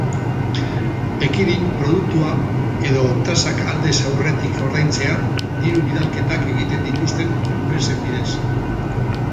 Ekidin produktua edo tasak aldez aurretik ordaintzea diru-bidalketak egiten dituzten enpresen bidez.